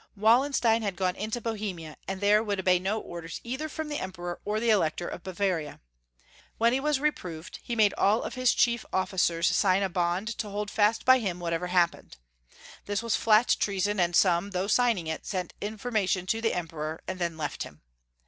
Wallenstein had gone into Bohemia, and there would obey no orders either from the Emperor or the Elector of Bavaria. When he was reproved, he made all his chief officers sign a bond to hold fast by him whatever happened. Tliis was flat treason, and some, though signing it, sent informa tion to the Emperor, and then left him.